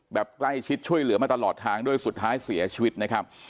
แบบใกล้ชิดช่วยเหลือมาตลอดทางด้วยสุดท้ายเสียชีวิตนะครับ